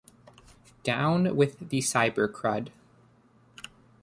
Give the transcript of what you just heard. Down with the cybercrud.